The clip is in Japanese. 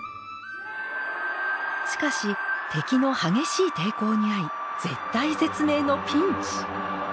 しかし敵の激しい抵抗に遭い絶体絶命のピンチ。